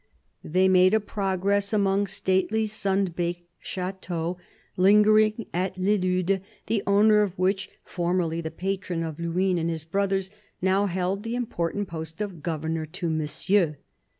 They made a progress among stately sun baked chateaux, lingering at Le Lude, the owner of which, formerly the patron of Luynes and his brothers, now held the important post of governor to Monsieur.